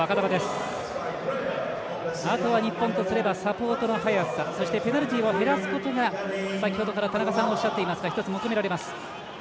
あとは日本とすればサポートの早さそしてペナルティを減らすことが先ほどから田中さんおっしゃっていますが一つ、求められます。